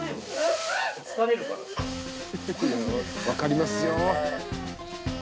分かりますよ。